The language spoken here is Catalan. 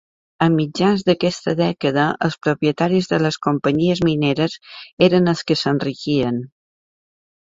A mitjans d'aquesta dècada, els propietaris de les companyies mineres eren els que s'enriquien.